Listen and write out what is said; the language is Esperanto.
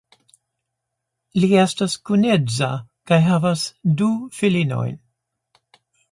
Li estas kunedza kaj havas du filinojn.